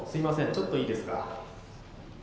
ちょっといいですか？」。